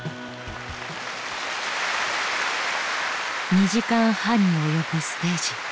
２時間半に及ぶステージ。